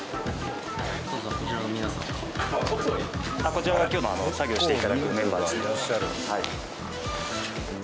こちらが今日の作業して頂くメンバーですね。